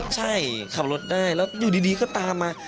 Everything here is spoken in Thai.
ใช่ขับรถได้แล้วอยู่ดีก็ตามมา